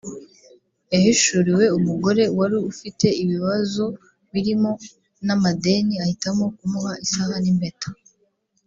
yahishuriwe umugore wari ufite ibibazo birimo n’amadeni ahitamo kumuha isaha n’impeta